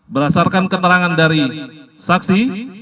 berdasarkan keterangan dari saksi